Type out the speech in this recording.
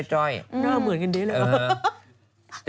หน้าเหมือนกันดีเลยเหรอ